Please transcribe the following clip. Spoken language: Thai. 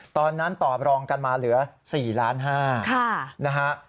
ตอนนั้นต่อรองกันมาเหลือ๔๕ล้านนะฮะ